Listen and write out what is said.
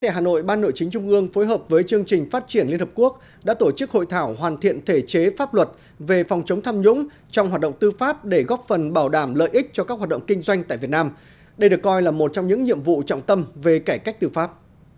hà nội ban nội chính trung ương phối hợp với chương trình phát triển liên hợp quốc đã tổ chức hội thảo hoàn thiện thể chế pháp luật về phòng chống tham nhũng trong hoạt động tư pháp để góp phần bảo đảm lợi ích cho các hoạt động kinh doanh tại việt nam đây được coi là một trong những nhiệm vụ trọng tâm về cải cách tư pháp